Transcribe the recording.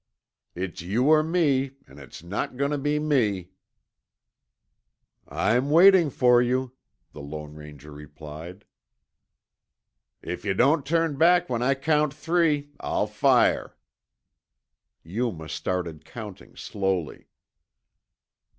It's you or me, an' it's not goin' tuh be me." "I'm waiting for you," the Lone Ranger replied. "If yuh don't turn back when I count three, I'll fire." Yuma started counting slowly.